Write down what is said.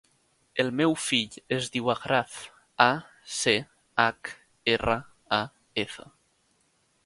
El meu fill es diu Achraf: a, ce, hac, erra, a, efa.